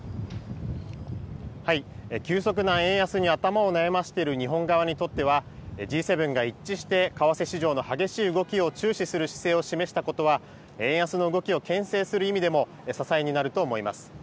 急速な円安に頭を悩ませている日本側にとっては、Ｇ７が一致して為替市場の激しい動きを注視する姿勢を示したことは、円安の動きをけん制する意味でも、支えになると思います。